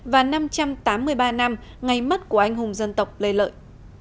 và năm trăm tám mươi ba năm ngày mất của anh hùng dân tộc lê lợi